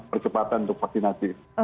percepatan untuk vaksinasi